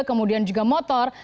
kemudian juga motor